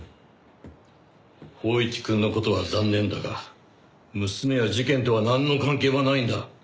光一くんの事は残念だが娘は事件とはなんの関係もないんだ。